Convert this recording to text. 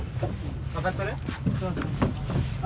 分かっとる？